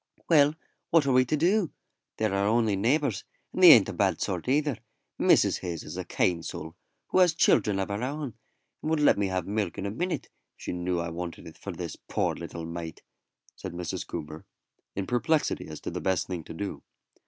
"Well, what are we to do? They are our only neighbours, and they ain't a bad sort either, Mrs. Hayes is a kind soul, who has children of her own, and would let me have milk in a minute if she knew I wanted it for this poor little mite," said Mrs. Coomber, in perplexity as to the best thing to do.